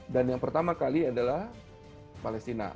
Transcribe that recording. dan yang pertama kali adalah palestina